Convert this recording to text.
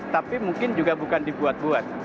tapi mungkin juga bukan dibuat buat